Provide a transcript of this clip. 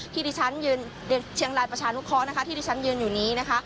ที่ดิฉันยืนเชียงรายประชานุเคราะห์นะคะที่ที่ฉันยืนอยู่นี้นะคะ